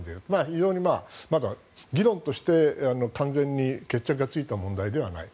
非常に議論として、完全に決着がついた問題ではない。